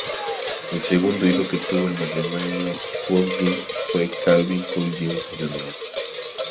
El segundo hijo que tuvo el matrimonio Coolidge fue Calvin Coolidge, Jr.